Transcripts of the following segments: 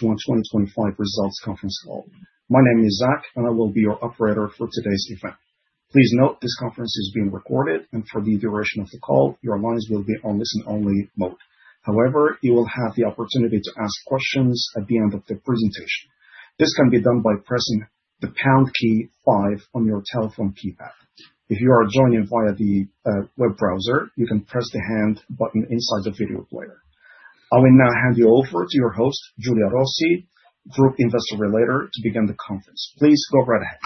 To our 2025 results conference call. My name is Zach, and I will be your operator for today's event. Please note, this conference is being recorded, and for the duration of the call, your lines will be on listen-only mode. However, you will have the opportunity to ask questions at the end of the presentation. This can be done by pressing the pound key five on your telephone keypad. If you are joining via the web browser, you can press the hand button inside the video player. I will now hand you over to your host, Giulia Rossi, Group Investor Relations, to begin the conference. Please go right ahead.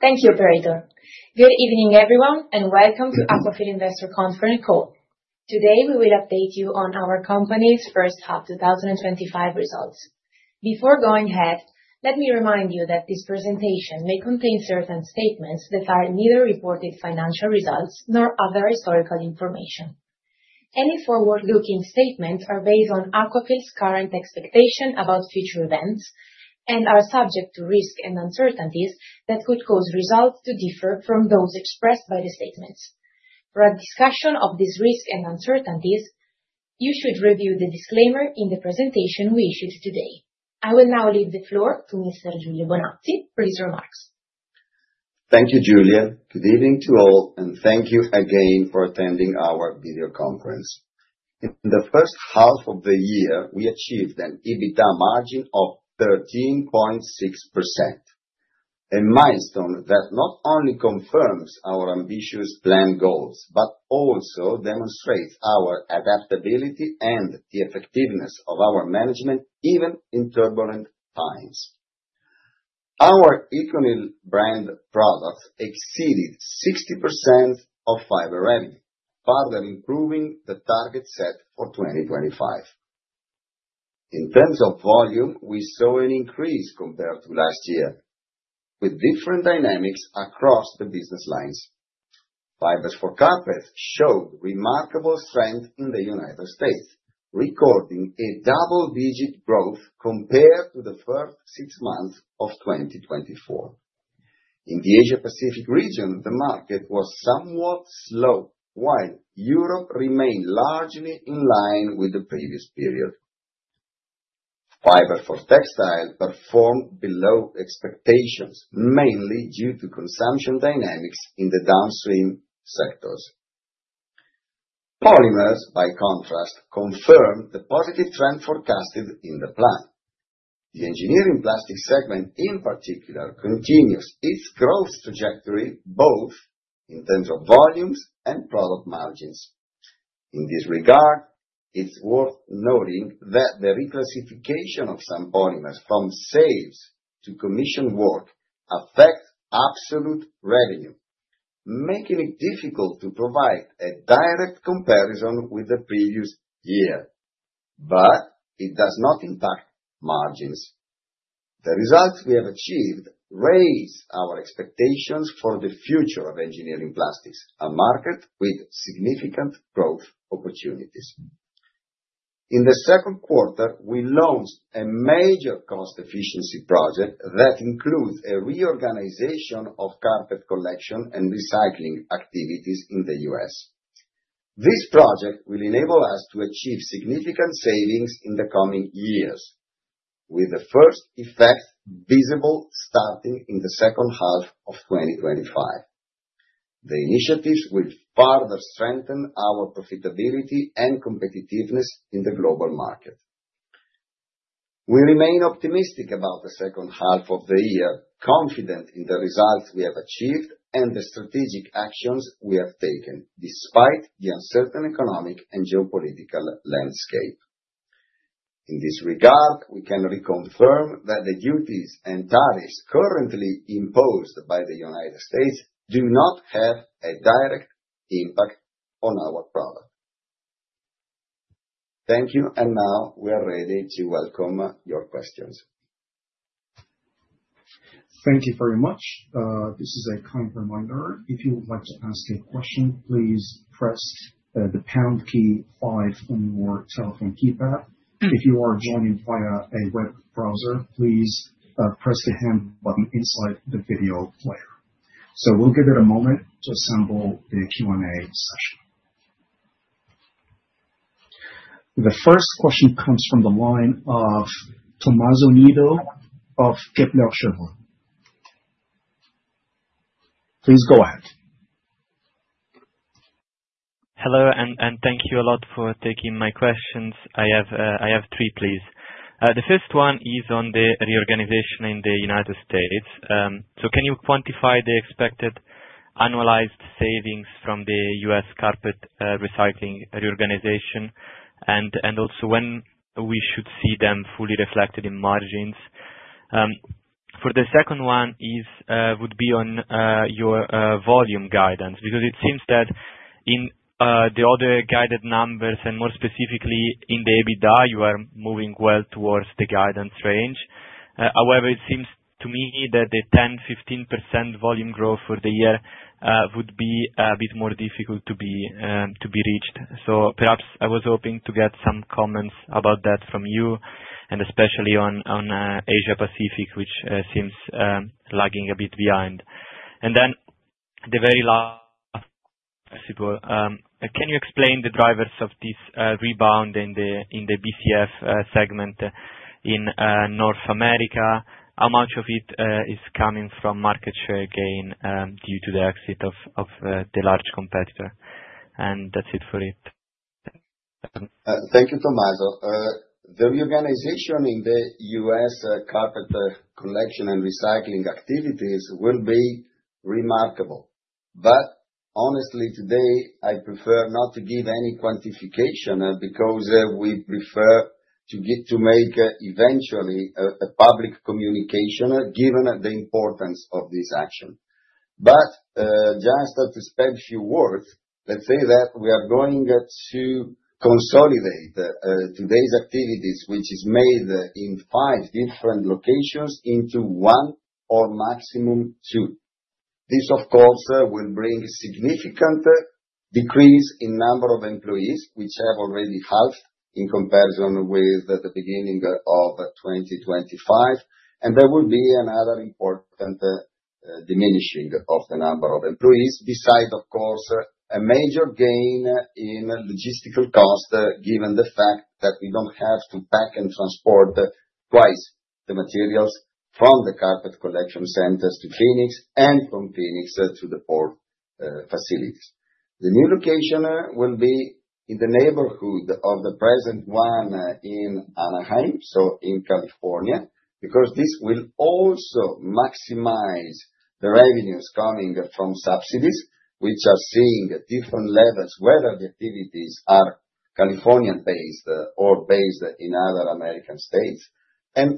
Thank you, operator. Good evening, everyone, and welcome to Aquafil Investor Conference Call. Today, we will update you on our company's first half 2025 results. Before going ahead, let me remind you that this presentation may contain certain statements that are neither reported financial results nor other historical information. Any forward-looking statements are based on Aquafil's current expectation about future events and are subject to risks and uncertainties that could cause results to differ from those expressed by the statements. For a discussion of these risks and uncertainties, you should review the disclaimer in the presentation we issued today. I will now leave the floor to Mr. Giulio Bonazzi for his remarks. Thank you, Giulia. Good evening to all, and thank you again for attending our video conference. In the first half of the year, we achieved an EBITDA margin of 13.6%, a milestone that not only confirms our ambitious plan goals, but also demonstrates our adaptability and the effectiveness of our management, even in turbulent times. Our ECONYL brand products exceeded 60% of fiber revenue, further improving the target set for 2025. In terms of volume, we saw an increase compared to last year, with different dynamics across the business lines. Fibers for carpet showed remarkable strength in the United States, recording a double-digit growth compared to the first six months of 2024. In the Asia Pacific region, the market was somewhat slow, while Europe remained largely in line with the previous period. Fiber for textile performed below expectations, mainly due to consumption dynamics in the downstream sectors. Polymers, by contrast, confirmed the positive trend forecasted in the plan. The engineering plastic segment, in particular, continues its growth trajectory, both in terms of volumes and product margins. In this regard, it's worth noting that the reclassification of some polymers from sales to commission work affect absolute revenue, making it difficult to provide a direct comparison with the previous year. It does not impact margins. The results we have achieved raise our expectations for the future of engineering plastics, a market with significant growth opportunities. In the second quarter, we launched a major cost efficiency project that includes a reorganization of carpet collection and recycling activities in the U.S. This project will enable us to achieve significant savings in the coming years, with the first effect visible starting in the second half of 2025. The initiatives will further strengthen our profitability and competitiveness in the global market. We remain optimistic about the second half of the year, confident in the results we have achieved and the strategic actions we have taken despite the uncertain economic and geopolitical landscape. In this regard, we can reconfirm that the duties and tariffs currently imposed by the U.S. do not have a direct impact on our product. Now we are ready to welcome your questions. Thank you very much. This is a kind reminder. If you would like to ask a question, please press the pound key 5 on your telephone keypad. If you are joining via a web browser, please press the hand button inside the video player. We'll give it a moment to assemble the Q&A session. The first question comes from the line of Tommaso Niro of Kepler Cheuvreux. Please go ahead. Hello, thank you a lot for taking my questions. I have three, please. The first one is on the reorganization in the U.S. Can you quantify the expected annualized savings from the U.S. carpet recycling reorganization, also when we should see them fully reflected in margins? For the second one would be on your volume guidance. It seems that in the other guided numbers, more specifically in the EBITDA, you are moving well towards the guidance range. However, it seems to me that the 10%-15% volume growth for the year would be a bit more difficult to be reached. Perhaps I was hoping to get some comments about that from you, especially on Asia Pacific, which seems lagging a bit behind. Then the very last Thanks, people. Can you explain the drivers of this rebound in the BCF segment in North America? How much of it is coming from market share gain due to the exit of the large competitor? That's it for it. Thank you, Tommaso. The reorganization in the U.S. carpet collection and recycling activities will be remarkable. Honestly, today I prefer not to give any quantification because we prefer to get to make eventually a public communication given the importance of this action. Just to spend a few words, let's say that we are going to consolidate today's activities, which is made in five different locations into one or maximum two. This, of course, will bring significant decrease in number of employees, which have already halved in comparison with the beginning of 2025. There will be another important diminishing of the number of employees, besides of course, a major gain in logistical cost, given the fact that we don't have to pack and transport twice the materials from the carpet collection centers to Phoenix and from Phoenix to the port facilities. The new location will be in the neighborhood of the present one in Anaheim, so in California. This will also maximize the revenues coming from subsidies, which are seeing different levels, whether the activities are Californian based or based in other American states.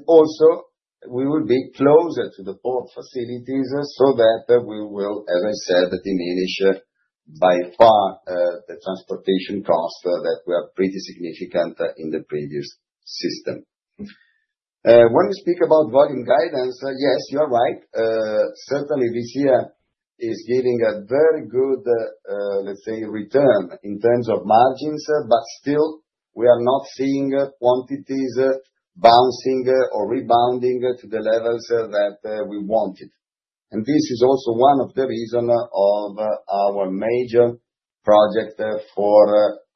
Also we will be closer to the port facilities so that we will, as I said, diminish by far, the transportation costs that were pretty significant in the previous system. When we speak about volume guidance, yes, you are right. Certainly this year is giving a very good, let's say, return in terms of margins, but still we are not seeing quantities bouncing or rebounding to the levels that we wanted. This is also one of the reason of our major project for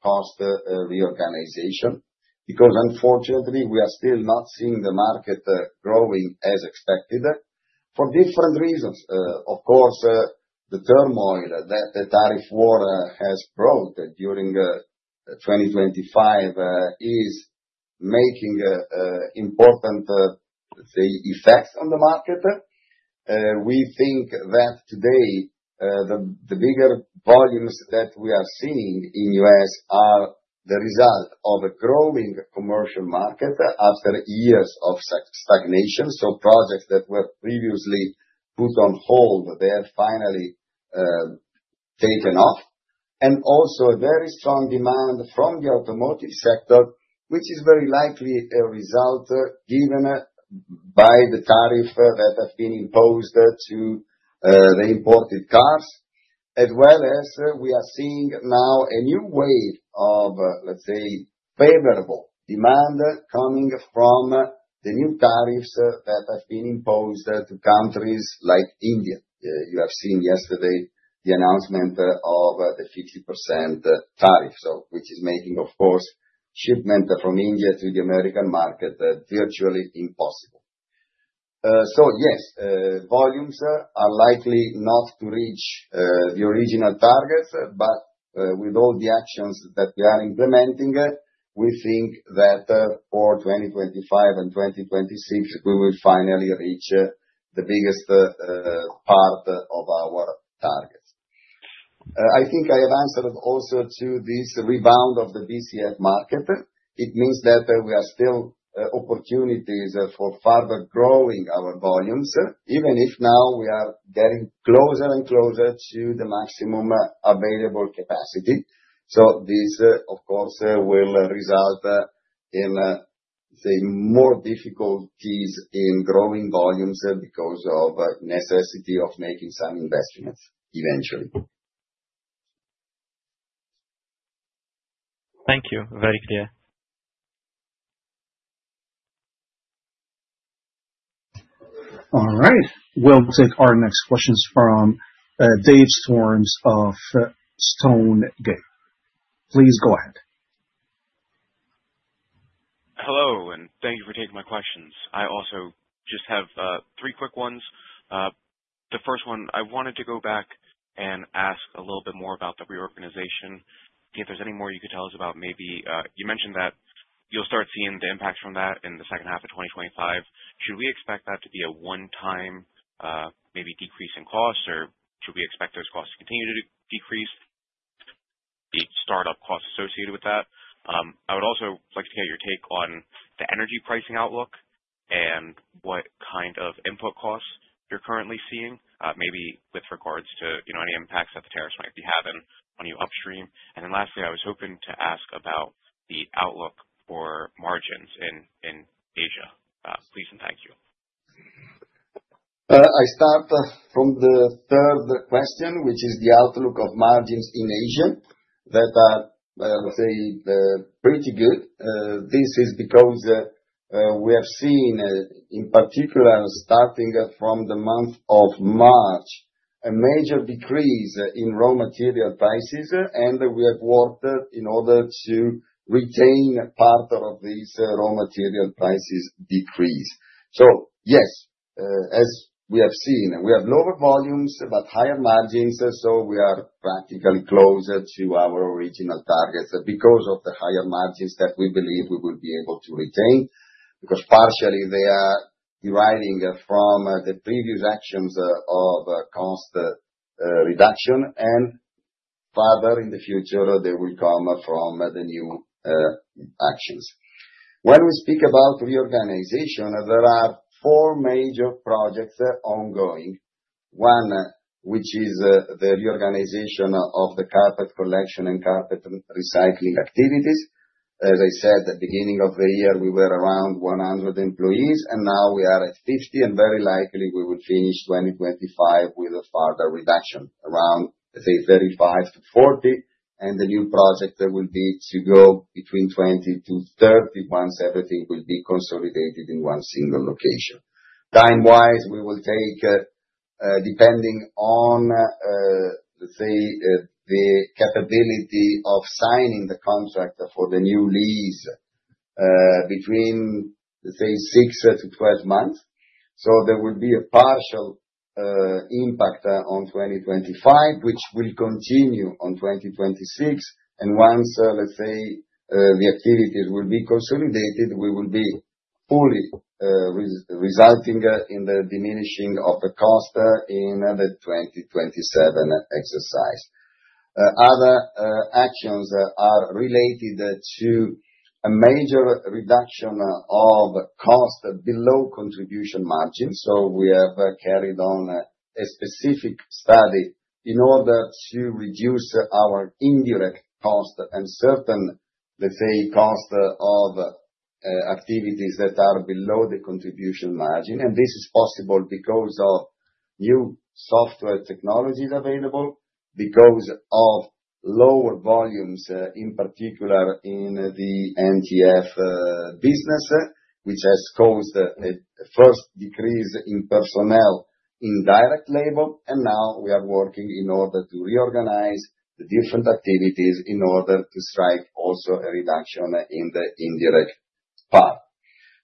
cost reorganization, because unfortunately, we are still not seeing the market growing as expected for different reasons. The turmoil that the tariff war has brought during 2025, is making important, let's say, effects on the market. We think that today, the bigger volumes that we are seeing in U.S. are the result of a growing commercial market after years of stagnation. Projects that were previously put on hold, they have finally taken off. Also a very strong demand from the automotive sector, which is very likely a result given by the tariff that have been imposed to the imported cars, as well as we are seeing now a new wave of, let's say, favorable demand coming from the new tariffs that have been imposed to countries like India. You have seen yesterday the announcement of the 50% tariff, which is making, of course, shipment from India to the American market virtually impossible. Yes, volumes are likely not to reach the original targets, but with all the actions that we are implementing, we think that for 2025 and 2026, we will finally reach the biggest part of our target. I think I have answered also to this rebound of the BCF market. It means that we are still opportunities for further growing our volumes, even if now we are getting closer and closer to the maximum available capacity. This, of course, will result in, let's say, more difficulties in growing volumes because of necessity of making some investments eventually. Thank you. Very clear. All right. We will take our next questions from Dave Storms of Stonegate. Please go ahead. Hello, and thank you for taking my questions. I also just have three quick ones. The first one, I wanted to go back and ask a little bit more about the reorganization. If there is any more you could tell us about maybe, you mentioned that you will start seeing the impacts from that in the second half of 2025. Should we expect that to be a one-time, maybe decrease in costs, or should we expect those costs to continue to decrease the startup costs associated with that? I would also like to get your take on the energy pricing outlook and what kind of input costs you are currently seeing, maybe with regards to any impacts that the tariffs might be having on you upstream. Lastly, I was hoping to ask about the outlook for margins in Asia. Please and thank you. I start from the third question, which is the outlook of margins in Asia. That are, let us say, pretty good. This is because we have seen, in particular, starting from the month of March, a major decrease in raw material prices, and we have worked in order to retain part of this raw material prices decrease. Yes, as we have seen, we have lower volumes, but higher margins, so we are practically closer to our original targets because of the higher margins that we believe we will be able to retain, because partially they are deriving from the previous actions of cost reduction, and further in the future, they will come from the new actions. When we speak about reorganization, there are four major projects ongoing. One, which is the reorganization of the carpet collection and carpet recycling activities. As I said, at the beginning of the year, we were around 100 employees, and now we are at 50, and very likely we will finish 2025 with a further reduction, around, let's say, 35 to 40. The new project will be to go between 20 to 30 once everything will be consolidated in one single location. Time-wise, we will take, depending on, let's say, the capability of signing the contract for the new lease, between, let's say, 6-12 months. There will be a partial impact on 2025, which will continue on 2026. Once, let's say, the activities will be consolidated, we will be fully resulting in the diminishing of the cost in the 2027 exercise. Other actions are related to a major reduction of cost below contribution margin. We have carried on a specific study in order to reduce our indirect cost, and certain, let's say, cost of activities that are below the contribution margin. This is possible because of new software technologies available, because of lower volumes, in particular in the NTF business, which has caused a first decrease in personnel in direct labor, and now we are working in order to reorganize the different activities in order to strike also a reduction in the indirect part.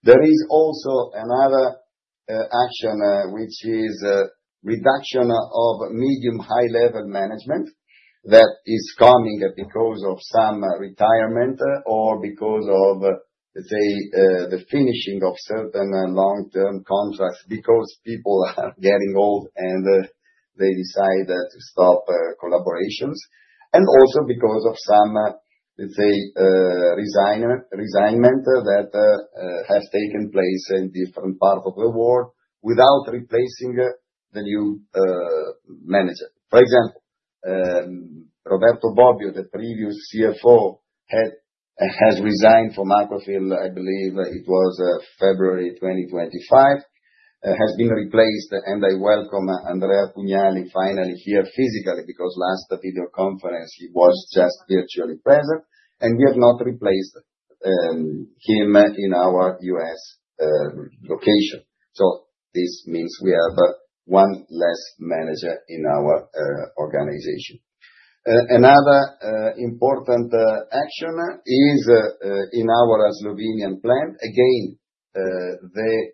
There is also another action, which is reduction of medium high-level management that is coming because of some retirement or because of, let's say, the finishing of certain long-term contracts, because people are getting old and they decide to stop collaborations. Also because of some, let's say, resignation that has taken place in different parts of the world without replacing the new manager. For example, Roberto Bobbio, the previous CFO, has resigned from Aquafil, I believe it was February 2025, has been replaced, and I welcome Andrea Pugnali finally here physically, because last video conference he was just virtually present, and we have not replaced him in our U.S. location. This means we have one less manager in our organization. Another important action is in our Slovenian plant. Again, the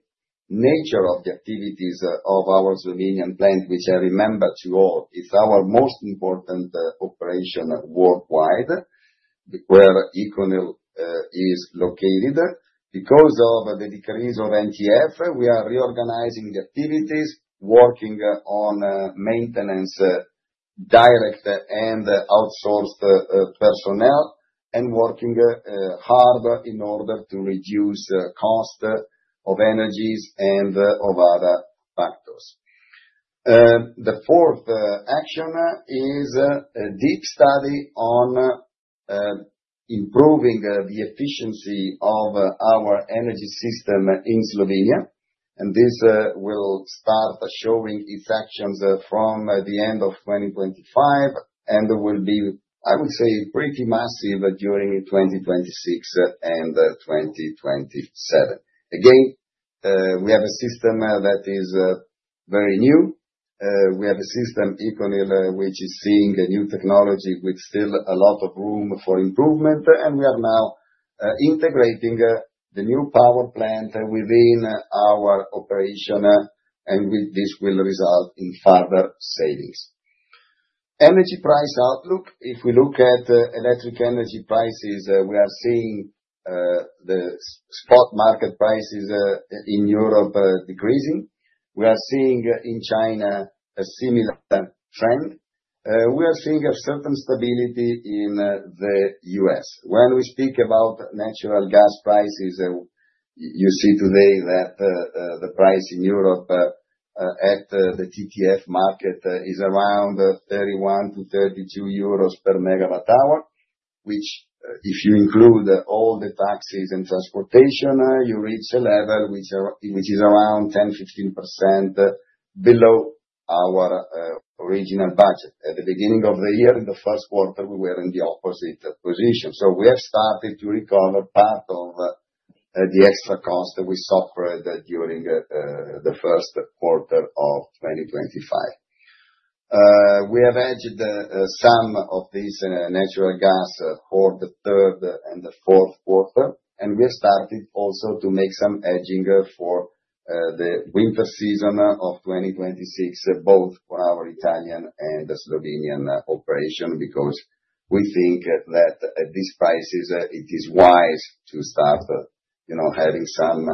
nature of the activities of our Slovenian plant, which I remember to all, is our most important operation worldwide, where ECONYL is located. Because of the decrease of NTF, we are reorganizing activities, working on maintenance, direct and outsourced personnel, and working harder in order to reduce cost of energies and of other factors. The fourth action is a deep study on improving the efficiency of our energy system in Slovenia. This will start showing its actions from the end of 2025 and will be, I would say, pretty massive during 2026 and 2027. Again, we have a system that is very new. We have a system, ECONYL, which is seeing a new technology with still a lot of room for improvement, and we are now integrating the new power plant within our operation, and this will result in further savings. Energy price outlook. If we look at electric energy prices, we are seeing the spot market prices in Europe decreasing. We are seeing in China a similar trend. We are seeing a certain stability in the U.S. When we speak about natural gas prices, you see today that the price in Europe at the TTF market is around 31-32 euros per megawatt hour. Which, if you include all the taxes and transportation, you reach a level which is around 10%-15% below our original budget. At the beginning of the year, in the first quarter, we were in the opposite position. We have started to recover part of the extra cost that we suffered during the first quarter of 2025. We have hedged some of this natural gas for the third and the fourth quarter, and we have started also to make some hedging for the winter season of 2026, both for our Italian and the Slovenian operation, because we think that at these prices, it is wise to start having some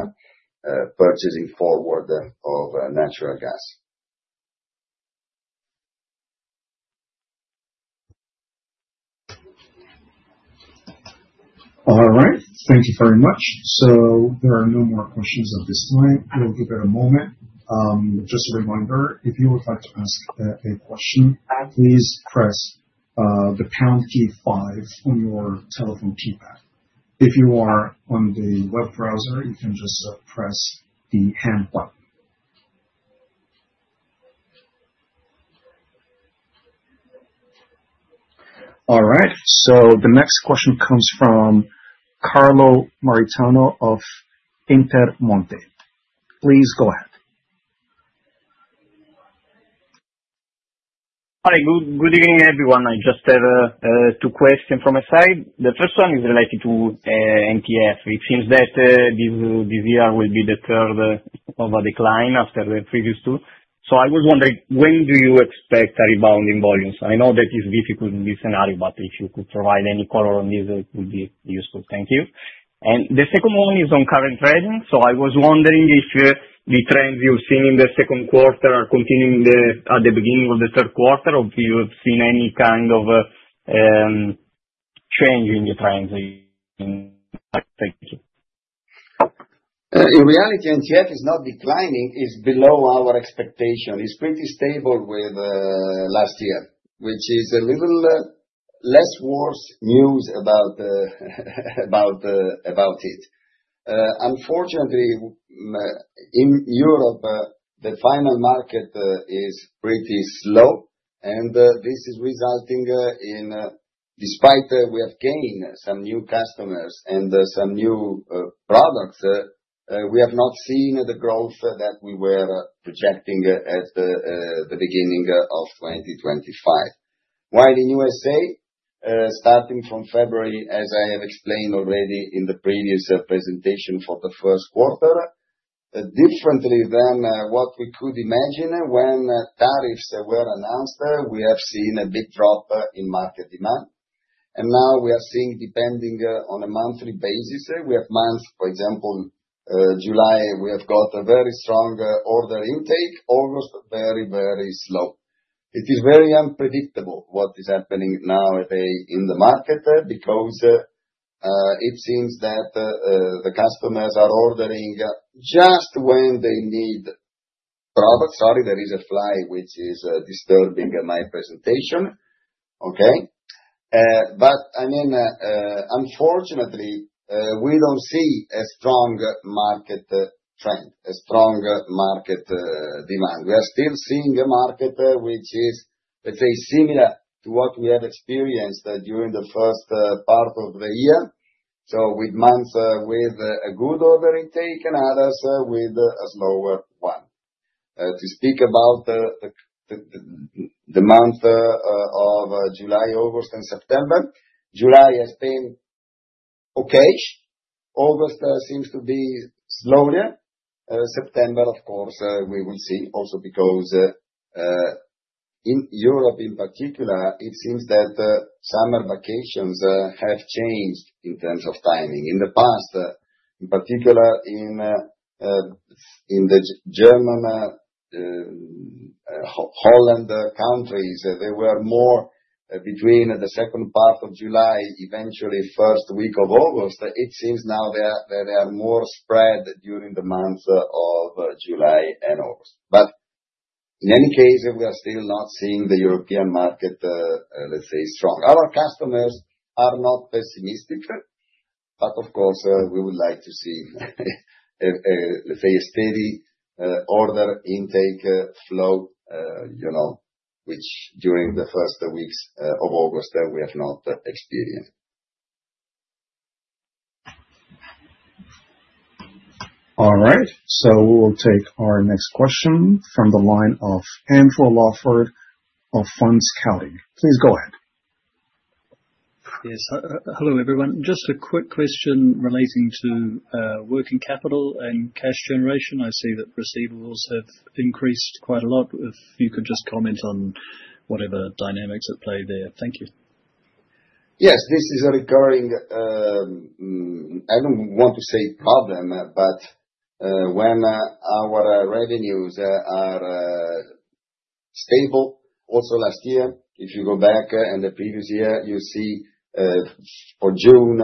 purchasing forward of natural gas. All right. Thank you very much. There are no more questions at this time. We will give it a moment. Just a reminder, if you would like to ask a question, please press the pound key five on your telephone keypad. If you are on the web browser, you can just press the hand button. All right. The next question comes from Carlo Maritano of Intermonte. Please go ahead. Hi. Good evening, everyone. I just have two questions from my side. The first one is related to NTF. It seems that this year will be the curve of a decline after the previous two. I was wondering, when do you expect a rebound in volumes? I know that it's difficult in this scenario, but if you could provide any color on this, it would be useful. Thank you. The second one is on current trends. I was wondering if the trends you've seen in the second quarter are continuing at the beginning of the third quarter, or if you have seen any kind of change in the trends. Thank you. In reality, NTF is not declining, it's below our expectation. It's pretty stable with last year, which is a little less worse news about it. Unfortunately, in Europe, the final market is pretty slow, and this is resulting in, despite we have gained some new customers and some new products, we have not seen the growth that we were projecting at the beginning of 2025. While in USA, starting from February, as I have explained already in the previous presentation for the first quarter, differently than what we could imagine when tariffs were announced, we have seen a big drop in market demand. Now we are seeing, depending on a monthly basis, we have months, for example, July, we have got a very strong order intake, August, very slow. It is very unpredictable what is happening now in the market because it seems that the customers are ordering just when they need product. Sorry, there is a fly which is disturbing my presentation. Okay. Unfortunately, we don't see a strong market trend, a strong market demand. We are still seeing a market which is similar to what we have experienced during the first part of the year. With months with a good order intake and others with a slower one. To speak about the month of July, August, and September, July has been okay. August seems to be slower. September, of course, we will see, also because in Europe in particular, it seems that summer vacations have changed in terms of timing. In the past, in particular in the German, Holland countries, they were more between the second part of July, eventually first week of August. It seems now they are more spread during the months of July and August. In any case, we are still not seeing the European market, let's say strong. Our customers are not pessimistic, of course, we would like to see a steady order intake flow which during the first weeks of August, we have not experienced. All right. We will take our next question from the line of Andrew Lawford of Fund Scouting. Please go ahead. Yes. Hello, everyone. Just a quick question relating to working capital and cash generation. I see that receivables have increased quite a lot. If you could just comment on whatever dynamics at play there. Thank you. Yes. This is a recurring, I don't want to say problem, but when our revenues are stable. Also last year, if you go back, and the previous year, you see for June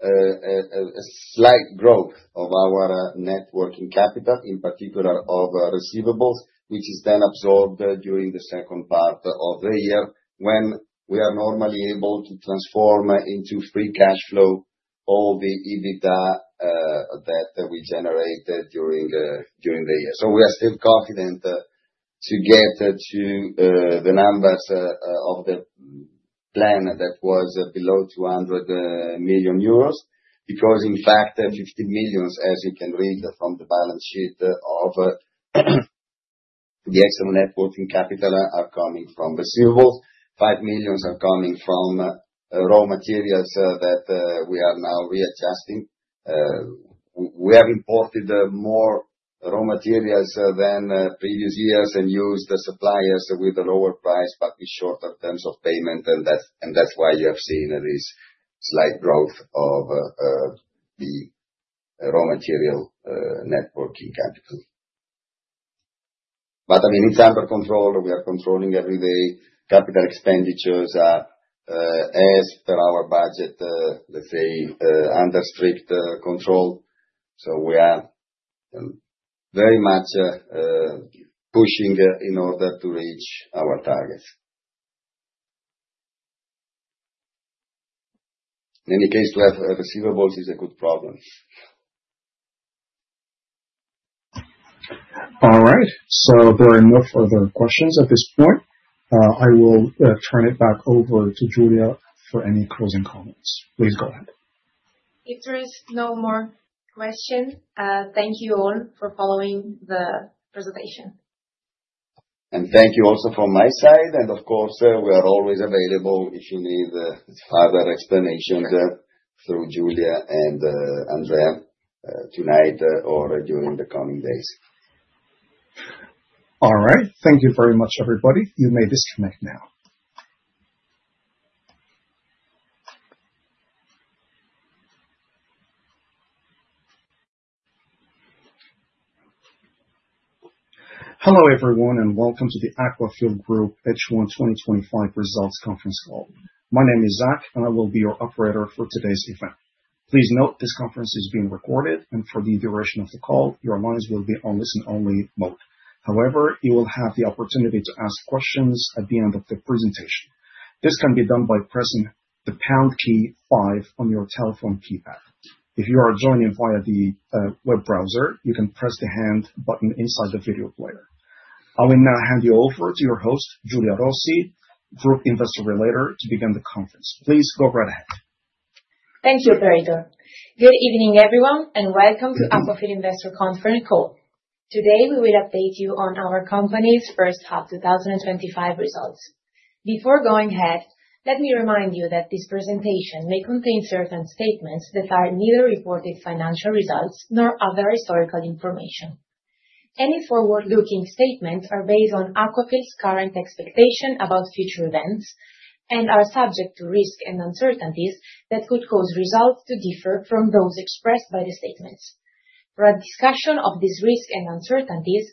a slight growth of our net working capital, in particular of receivables, which is then absorbed during the second part of the year when we are normally able to transform into free cash flow all the EBITDA that we generated during the year. We are still confident to get to the numbers of the plan that was below 200 million euros because, in fact, 50 million, as you can read from the balance sheet of the extra net working capital, are coming from receivables. 5 million are coming from raw materials that we are now readjusting. We have imported more raw materials than previous years and used suppliers with a lower price but with shorter terms of payment, and that's why you have seen this slight growth of the raw material net working capital. It's under control. We are controlling every day. Capital expenditures are, as per our budget, let's say, under strict control. We are very much pushing in order to reach our targets. In any case, to have receivables is a good problem. All right. There are no further questions at this point. I will turn it back over to Giulia for any closing comments. Please go ahead. If there is no more questions, thank you all for following the presentation. Thank you also from my side. Of course, we are always available if you need further explanations through Giulia and Andrea tonight or during the coming days. All right. Thank you very much, everybody. You may disconnect now. Hello, everyone, welcome to the Aquafil Group H1 2025 Results Conference Call. My name is Zach, I will be your operator for today's event. Please note this conference is being recorded, for the duration of the call, your lines will be on listen-only mode. You will have the opportunity to ask questions at the end of the presentation. This can be done by pressing the # key 5 on your telephone keypad. If you are joining via the web browser, you can press the hand button inside the video player. I will now hand you over to your host, Giulia Rossi, Group Investor Relations, to begin the conference. Please go right ahead. Thank you, operator. Good evening, everyone, welcome to Aquafil Investor Conference Call. Today, we will update you on our company's first half 2025 results. Before going ahead, let me remind you that this presentation may contain certain statements that are neither reported financial results nor other historical information. Any forward-looking statements are based on Aquafil's current expectation about future events and are subject to risks and uncertainties that could cause results to differ from those expressed by the statements. For a discussion of these risks and uncertainties,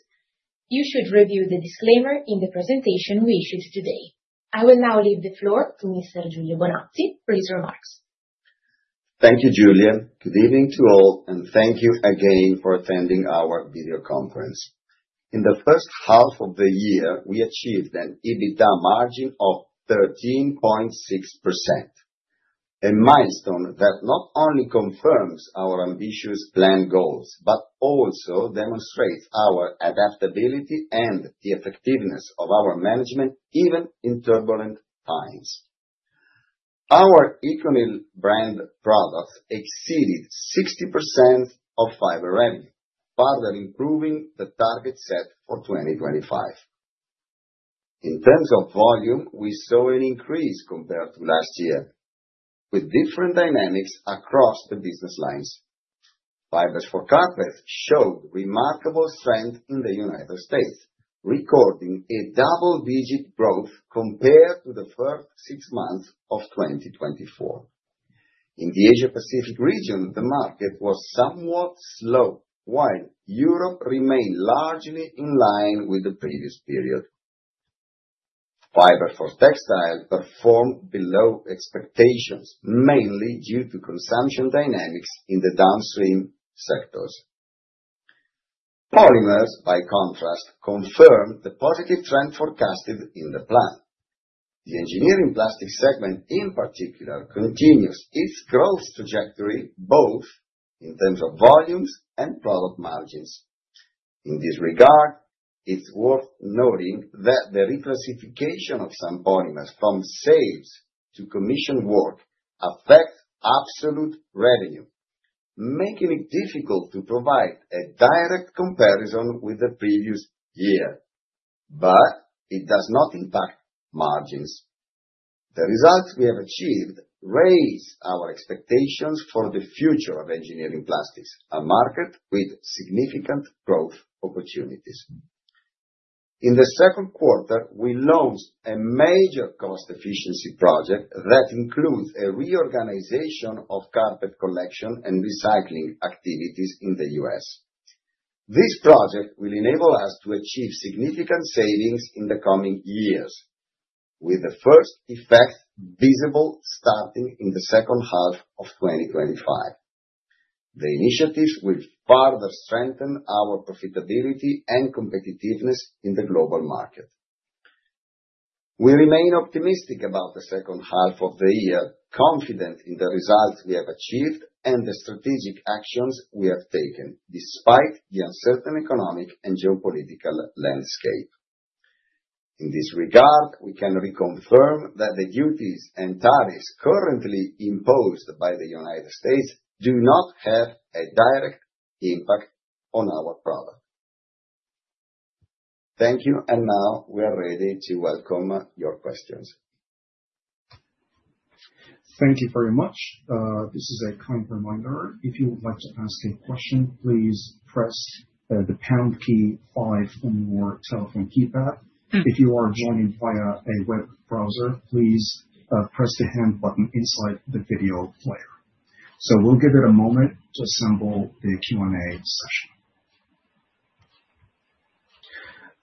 you should review the disclaimer in the presentation we issued today. I will now leave the floor to Mr. Giulio Bonazzi for his remarks. Thank you, Giulia. Good evening to all, thank you again for attending our video conference. In the first half of the year, we achieved an EBITDA margin of 13.6%, a milestone that not only confirms our ambitious plan goals, also demonstrates our adaptability and the effectiveness of our management, even in turbulent times. Our ECONYL brand products exceeded 60% of fiber revenue, further improving the target set for 2025. In terms of volume, we saw an increase compared to last year, with different dynamics across the business lines. Fibers for carpets showed remarkable strength in the United States, recording a double-digit growth compared to the first six months of 2024. In the Asia-Pacific region, the market was somewhat slow, while Europe remained largely in line with the previous period. Fiber for textiles performed below expectations, mainly due to consumption dynamics in the downstream sectors. Polymers, by contrast, confirmed the positive trend forecasted in the plan. The engineering plastics segment, in particular, continues its growth trajectory, both in terms of volumes and product margins. In this regard, it is worth noting that the reclassification of some polymers from sales to commission work affects absolute revenue, making it difficult to provide a direct comparison with the previous year. It does not impact margins. The results we have achieved raise our expectations for the future of engineering plastics, a market with significant growth opportunities. In the second quarter, we launched a major cost efficiency project that includes a reorganization of carpet collection and recycling activities in the U.S. This project will enable us to achieve significant savings in the coming years, with the first effect visible starting in the second half of 2025. The initiatives will further strengthen our profitability and competitiveness in the global market. We remain optimistic about the second half of the year, confident in the results we have achieved and the strategic actions we have taken despite the uncertain economic and geopolitical landscape. In this regard, we can reconfirm that the duties and tariffs currently imposed by the United States do not have a direct impact on our product. Thank you, and now we are ready to welcome your questions. Thank you very much. This is a kind reminder. If you would like to ask a question, please press the pound key 5 on your telephone keypad. If you are joining via a web browser, please press the hand button inside the video player. We will give it a moment to assemble the Q&A session.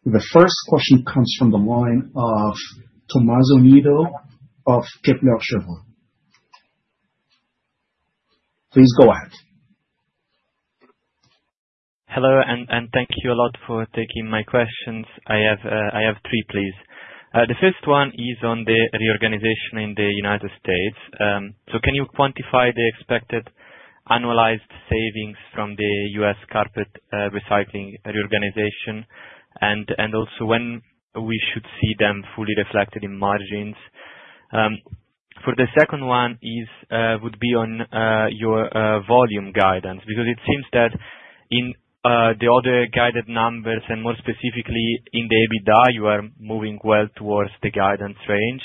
The first question comes from the line of Tommaso Niro of Kepler Cheuvreux. Please go ahead. Hello, thank you a lot for taking my questions. I have three, please. The first one is on the reorganization in the United States. Can you quantify the expected annualized savings from the U.S. carpet recycling reorganization, and also when we should see them fully reflected in margins? For the second one would be on your volume guidance, because it seems that in the other guided numbers, and more specifically in the EBITDA, you are moving well towards the guidance range.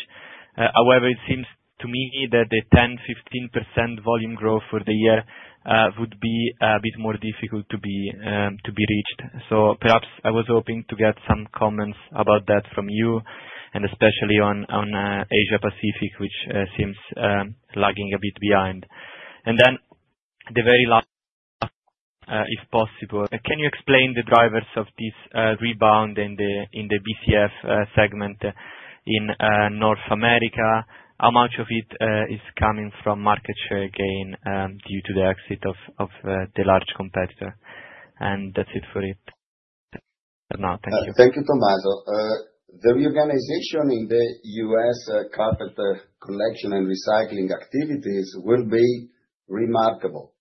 It seems to me that the 10%, 15% volume growth for the year would be a bit more difficult to be reached. Perhaps I was hoping to get some comments about that from you, and especially on Asia Pacific, which seems lagging a bit behind. Can you explain the drivers of this rebound in the BCF segment in North America? How much of it is coming from market share gain due to the exit of the large competitor? That's it for now. Thank you, Tommaso. Thank you, Tommaso. The reorganization in the U.S. carpet collection and recycling activities will be remarkable.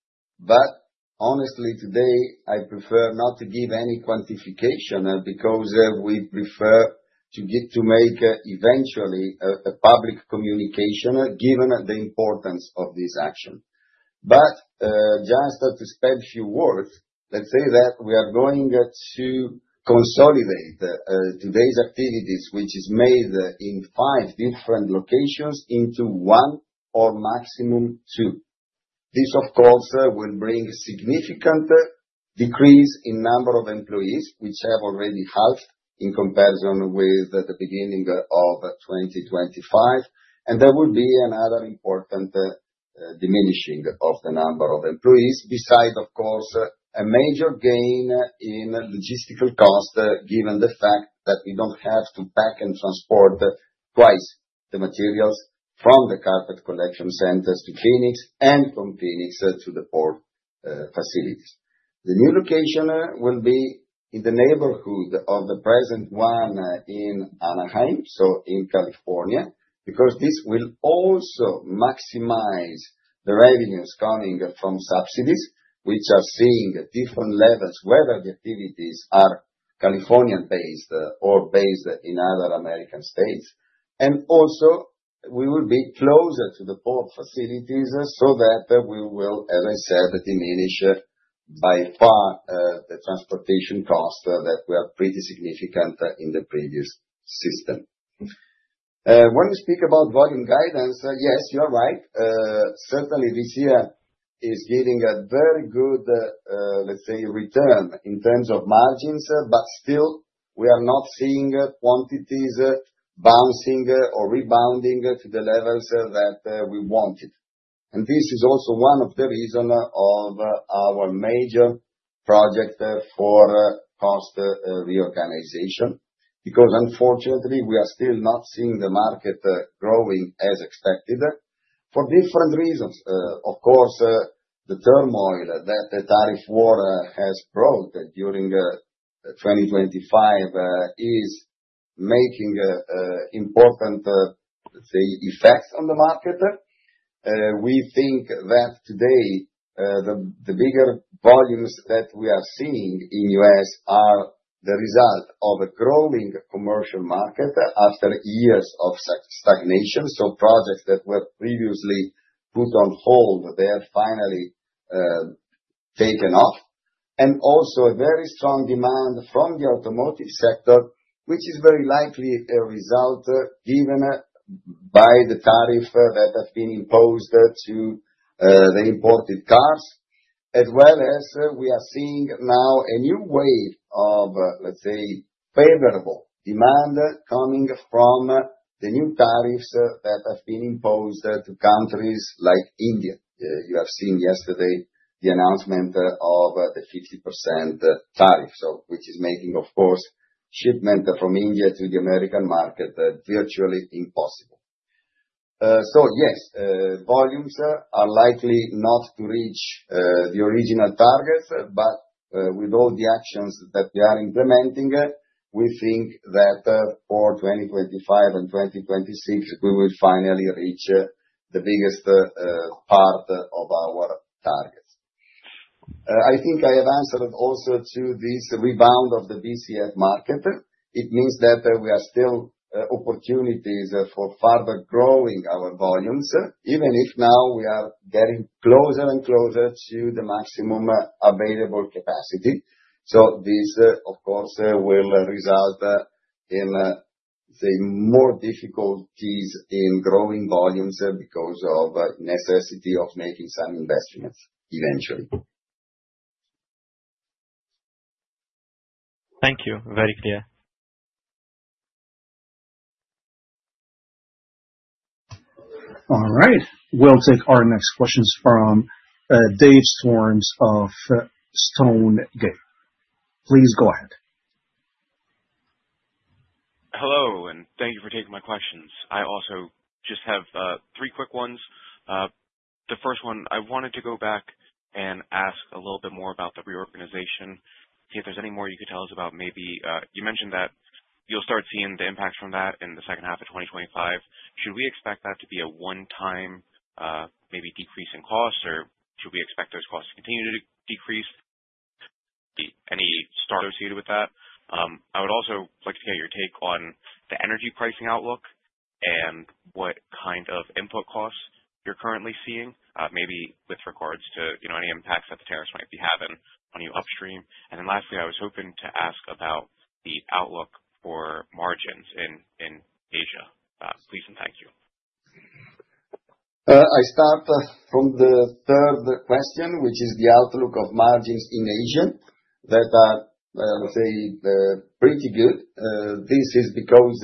Honestly, today I prefer not to give any quantification because we prefer to get to make eventually a public communication, given the importance of this action. Just to spend a few words, let's say that we are going to consolidate today's activities, which is made in five different locations into one or maximum two. This, of course, will bring significant decrease in number of employees, which have already halved in comparison with the beginning of 2025. There will be another important diminishing of the number of employees, besides, of course, a major gain in logistical cost, given the fact that we don't have to pack and transport twice the materials from the carpet collection centers to Phoenix and from Phoenix to the port facilities. The new location will be in the neighborhood of the present one in Anaheim, so in California, because this will also maximize the revenues coming from subsidies, which are seeing different levels, whether the activities are California-based or based in other American states. Also, we will be closer to the port facilities so that we will, as I said, diminish by far the transportation costs that were pretty significant in the previous system. When you speak about volume guidance, yes, you are right. Certainly, this year is giving a very good, let's say, return in terms of margins, but still we are not seeing quantities bouncing or rebounding to the levels that we wanted. This is also one of the reason of our major project for cost reorganization. Unfortunately, we are still not seeing the market growing as expected for different reasons. Of course, the turmoil that the tariff war has brought during 2025, is making important, let's say, effects on the market. We think that today, the bigger volumes that we are seeing in U.S. are the result of a growing commercial market after years of stagnation. Projects that were previously put on hold, they have finally taken off. Also, a very strong demand from the automotive sector, which is very likely a result given by the tariff that have been imposed to the imported cars, as well as we are seeing now a new wave of, let's say, favorable demand coming from the new tariffs that have been imposed to countries like India. You have seen yesterday the announcement of the 50% tariff. Which is making, of course Shipment from India to the American market, virtually impossible. Yes, volumes are likely not to reach the original targets, but with all the actions that we are implementing, we think that for 2025 and 2026, we will finally reach the biggest part of our targets. I think I have answered also to this rebound of the BCF market. It means that there are still opportunities for further growing our volumes, even if now we are getting closer and closer to the maximum available capacity. This, of course, will result in the more difficulties in growing volumes because of necessity of making some investments eventually. Thank you. Very clear. All right. We'll take our next questions from Dave Storms of Stonegate. Please go ahead. Hello, thank you for taking my questions. I also just have three quick ones. The first one, I wanted to go back and ask a little bit more about the reorganization. See if there's any more you could tell us about maybe, you mentioned that you'll start seeing the impact from that in the second half of 2025. Should we expect that to be a one-time maybe decrease in costs, or should we expect those costs to continue to decrease? Any associated with that? I would also like to get your take on the energy pricing outlook and what kind of input costs you're currently seeing, maybe with regards to any impacts that the tariffs might be having on you upstream. Lastly, I was hoping to ask about the outlook for margins in Asia. Please, thank you. I start from the third question, which is the outlook of margins in Asia, that are, let's say, pretty good. This is because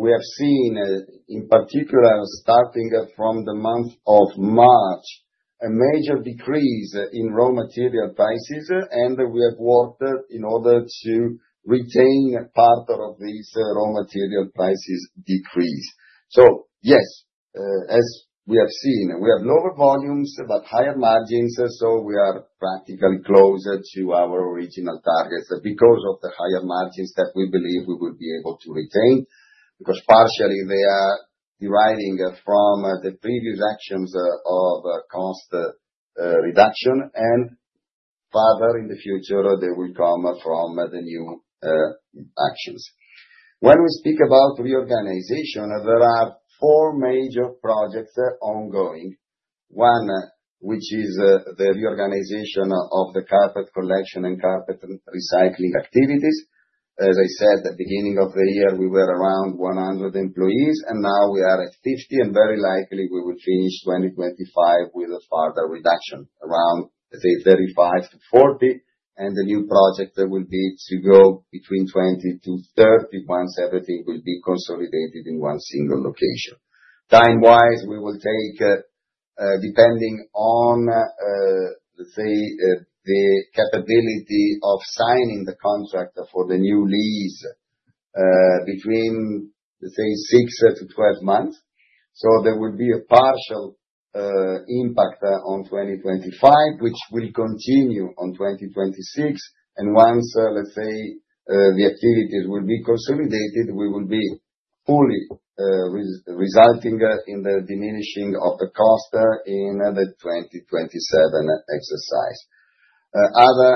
we have seen, in particular, starting from the month of March, a major decrease in raw material prices, and we have worked in order to retain part of this raw material prices decrease. Yes, as we have seen, we have lower volumes but higher margins, so we are practically closer to our original targets because of the higher margins that we believe we will be able to retain, because partially they are deriving from the previous actions of cost reduction, and further in the future, they will come from the new actions. When we speak about reorganization, there are four major projects ongoing. One, which is the reorganization of the carpet collection and carpet recycling activities. As I said, at the beginning of the year, we were around 100 employees, and now we are at 50, and very likely we will finish 2025 with a further reduction around, let's say, 35-40. The new project will be to go between 20-30 once everything will be consolidated in one single location. Time-wise, we will take, depending on, let's say, the capability of signing the contract for the new lease, between 6-12 months. There will be a partial impact on 2025, which will continue on 2026. Once, let's say, the activities will be consolidated, we will be fully resulting in the diminishing of the cost in the 2027 exercise. Other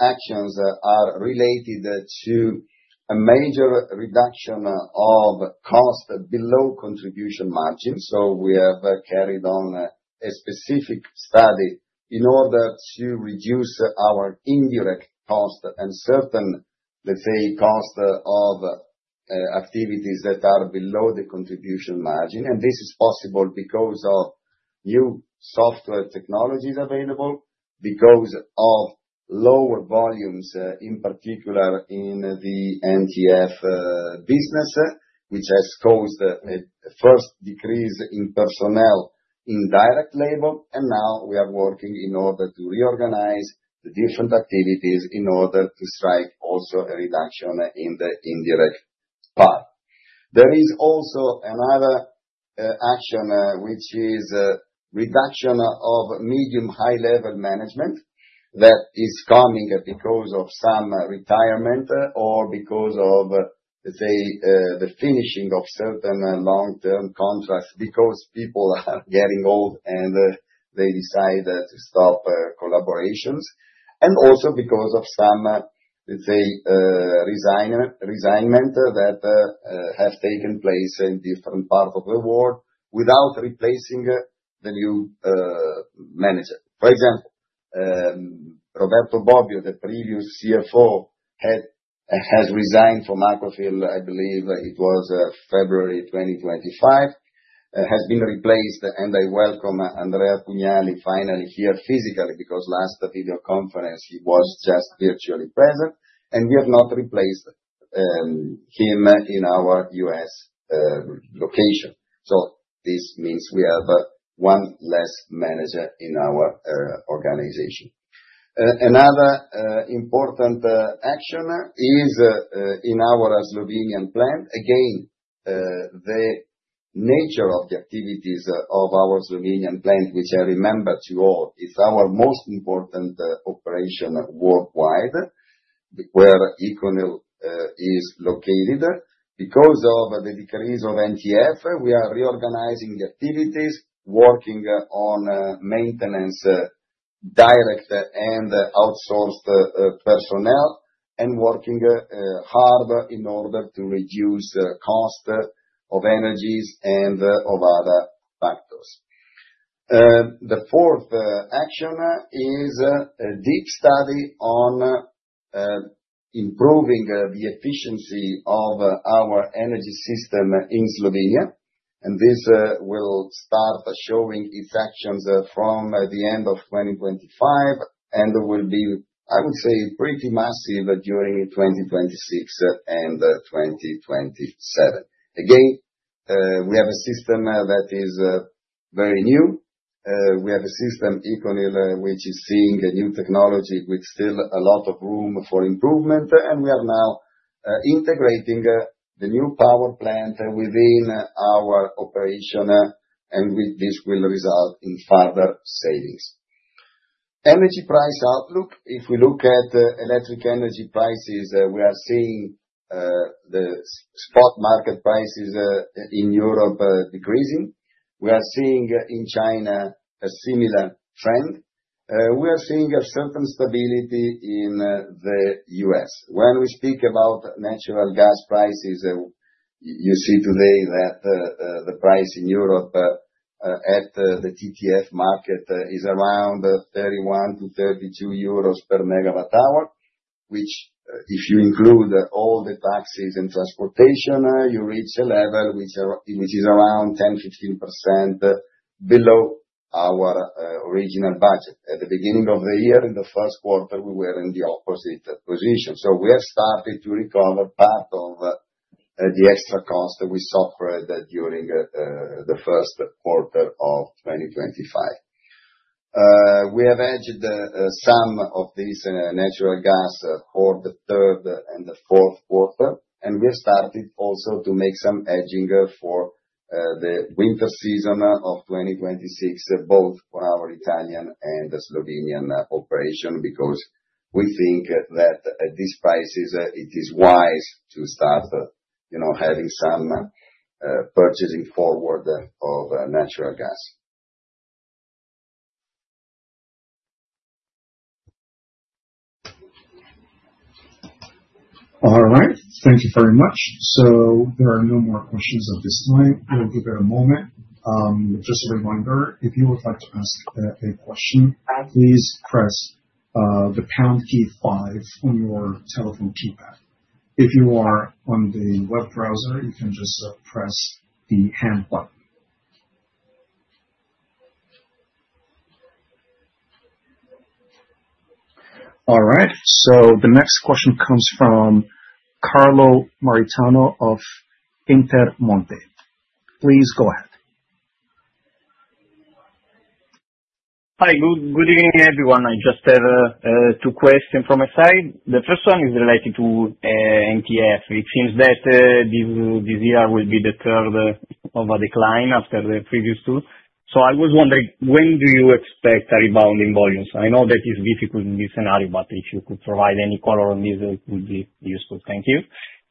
actions are related to a major reduction of cost below contribution margin. We have carried on a specific study in order to reduce our indirect cost and certain, let's say, cost of activities that are below the contribution margin. This is possible because of new software technologies available, because of lower volumes, in particular in the NTF business, which has caused a first decrease in personnel in direct labor, and now we are working in order to reorganize the different activities in order to strike also a reduction in the indirect part. There is also another action, which is reduction of medium high level management that is coming because of some retirement or because of, let's say, the finishing of certain long-term contracts because people are getting old and they decide to stop collaborations. Also because of some, let's say, resignation that have taken place in different parts of the world without replacing the new manager. For example, Roberto Bobbio, the previous CFO, has resigned from Aquafil, I believe it was February 2025, has been replaced, and I welcome Andrea Pugnali finally here physically, because last video conference he was just virtually present, and we have not replaced him in our U.S. location. This means we have one less manager in our organization. Another important action is in our Slovenian plant. Again, the nature of the activities of our Slovenian plant, which I remember to you all, is our most important operation worldwide, where ECONYL is located. Because of the decrease of NTF, we are reorganizing the activities, working on maintenance, direct and outsourced personnel, and working harder in order to reduce cost of energies and of other factors. The fourth action is a deep study on improving the efficiency of our energy system in Slovenia, this will start showing its actions from the end of 2025 and will be, I would say, pretty massive during 2026 and 2027. Again, we have a system that is very new. We have a system, ECONYL, which is seeing a new technology with still a lot of room for improvement, with this will result in further savings. Energy price outlook. If we look at electric energy prices, we are seeing the spot market prices in Europe decreasing. We are seeing in China a similar trend. We are seeing a certain stability in the U.S. When we speak about natural gas prices, you see today that the price in Europe at the TTF market is around 31-32 euros per megawatt hour, which if you include all the taxes and transportation, you reach a level which is around 10%-15% below our original budget. At the beginning of the year, in the first quarter, we were in the opposite position. We have started to recover part of the extra cost we suffered during the first quarter of 2025. We have hedged some of this natural gas for the third and the fourth quarter, we have started also to make some hedging for the winter season of 2026, both for our Italian and the Slovenian operation, because we think that at these prices, it is wise to start having some purchasing forward of natural gas. All right. Thank you very much. There are no more questions at this time. I will give it a moment. Just a reminder, if you would like to ask a question, please press the pound key 5 on your telephone keypad. If you are on the web browser, you can just press the hand button. The next question comes from Carlo Maritano of Intermonte. Please go ahead. Hi. Good evening, everyone. I just have two questions from my side. The first one is related to NTF. It seems that this year will be the third of a decline after the previous two. I was wondering, when do you expect a rebound in volumes? I know that it's difficult in this scenario, but if you could provide any color on this, it would be useful. Thank you.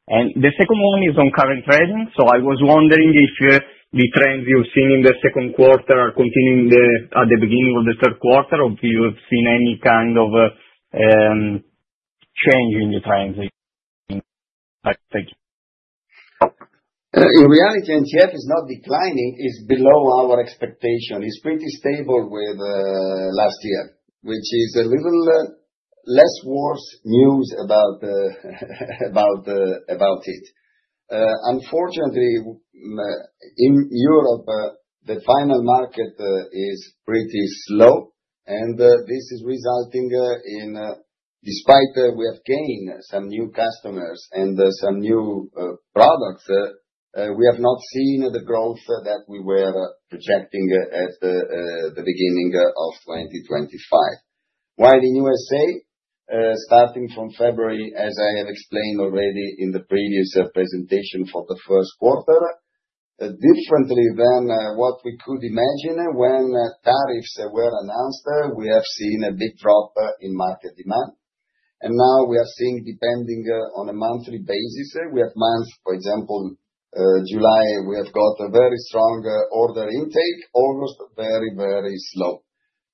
The second one is on current trends. I was wondering if the trends you've seen in the second quarter are continuing at the beginning of the third quarter, or if you have seen any kind of change in the trends. Thank you. In reality, NTF is not declining, it is below our expectation. It is pretty stable with last year, which is a little less worse news about it. Unfortunately, in Europe, the final market is pretty slow, and this is resulting in, despite we have gained some new customers and some new products, we have not seen the growth that we were projecting at the beginning of 2025. While in U.S.A., starting from February, as I have explained already in the previous presentation for the first quarter, differently than what we could imagine when tariffs were announced, we have seen a big drop in market demand. Now we are seeing, depending on a monthly basis, we have months, for example, July, we have got a very strong order intake.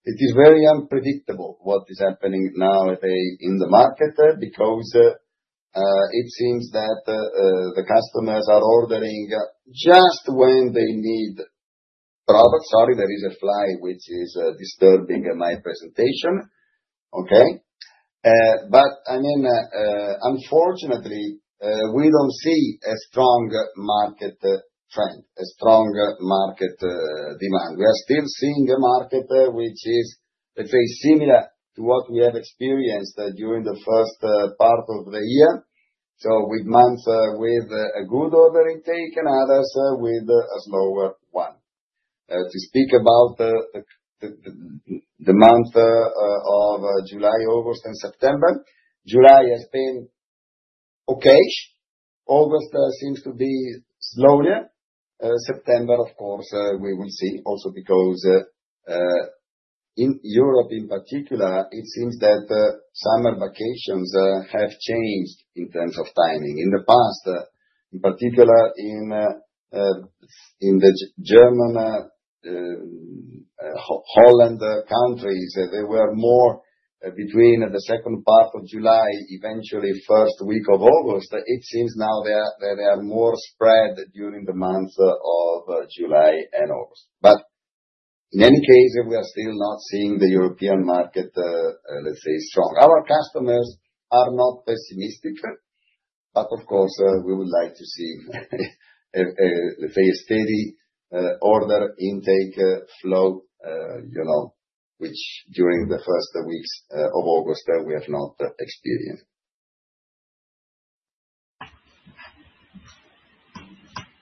It is very unpredictable what is happening now in the market because it seems that the customers are ordering just when they need product. Sorry, there is a fly which is disturbing my presentation. Okay. Unfortunately, we do not see a strong market trend, a strong market demand. We are still seeing a market which is very similar to what we have experienced during the first part of the year. With months with a good order intake and others with a slower one. To speak about the month of July, August, and September. July has been okay. August seems to be slower. September, of course, we will see, also because in Europe in particular, it seems that summer vacations have changed in terms of timing. In the past, in particular in the German, Holland countries, they were more between the second part of July, eventually first week of August. It seems now they are more spread during the months of July and August. In any case, we are still not seeing the European market, let us say strong. Our customers are not pessimistic, but of course, we would like to see a steady order intake flow which during the first weeks of August, we have not experienced.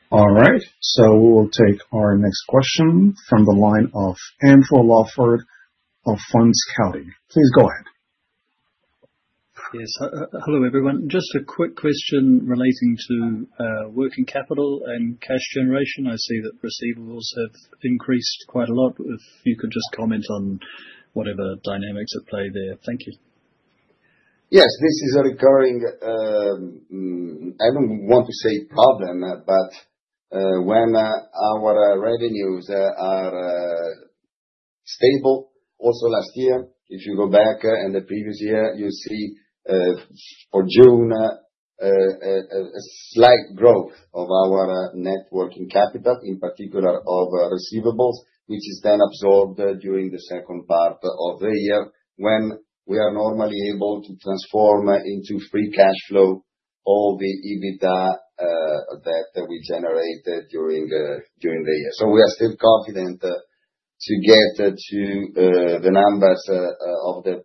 All right. We will take our next question from the line of Andrew Lawford of Fund Scouting. Please go ahead. Yes. Hello, everyone. Just a quick question relating to working capital and cash generation. I see that receivables have increased quite a lot. If you could just comment on whatever dynamics at play there. Thank you. Yes. This is a recurring, I don't want to say problem, but when our revenues are stable, also last year, if you go back, and the previous year, you see for June, a slight growth of our net working capital, in particular of receivables, which is then absorbed during the second part of the year, when we are normally able to transform into free cash flow all the EBITDA that we generated during the year. We are still confident to get to the numbers of the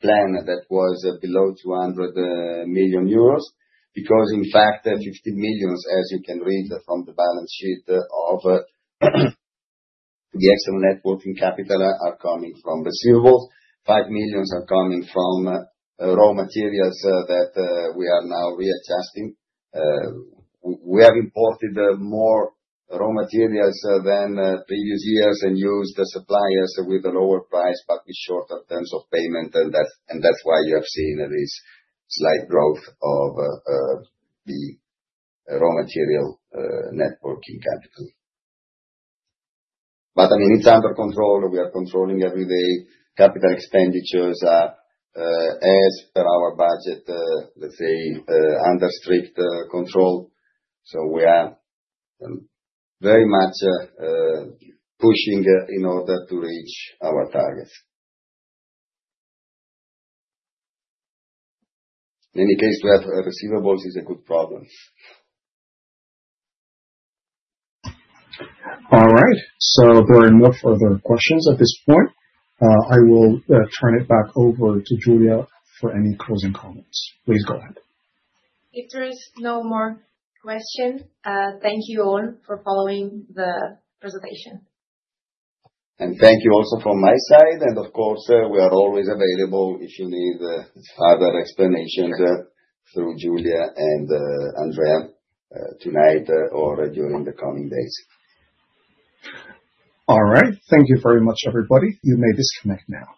plan that was below 200 million euros because in fact, 50 million, as you can read from the balance sheet of the excellent net working capital are coming from receivables. 5 million are coming from raw materials that we are now readjusting. We have imported more raw materials than previous years and used suppliers with a lower price, but with shorter terms of payment. That's why you have seen this slight growth of the raw material net working capital. It's under control. We are controlling every day. Capital expenditures are as per our budget, let's say, under strict control. We are very much pushing in order to reach our targets. In any case, we have receivables is a good problem. All right. There are no further questions at this point. I will turn it back over to Giulia for any closing comments. Please go ahead. If there is no more question, thank you all for following the presentation. Thank you also from my side. Of course, we are always available if you need other explanations through Giulia and Andrea tonight or during the coming days. All right. Thank you very much, everybody. You may disconnect now.